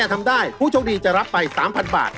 รถมหาสนุก